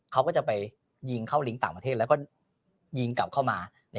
เขาก็จะไปยิงเข้าลิงก์ต่างประเทศแล้วก็ยิงกลับเข้ามา